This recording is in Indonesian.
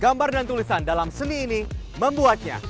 gambar dan tulisan dalam seni ini membuatnya